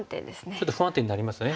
ちょっと不安定になりますね。